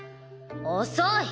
遅い！